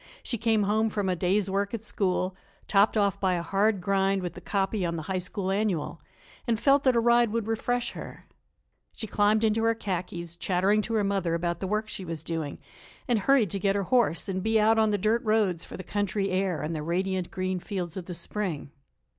She came home from a day's work at school, topped off by a hard grind with the copy on the High School Annual, and felt that a ride would refresh her. She climbed into her khakis, chattering to her mother about the work she was doing, and hurried to get her horse and be out on the dirt roads for the country air and the radiant green fields of the spring.